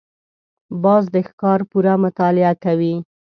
باز د ښکار پوره مطالعه کوي